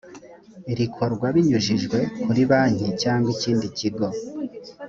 rikorwa binyujijwe kuri banki cyangwa ikindi kigo